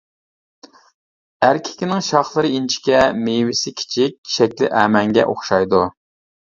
ئەركىكىنىڭ شاخلىرى ئىنچىكە، مېۋىسى كىچىك، شەكلى ئەمەنگە ئوخشايدۇ.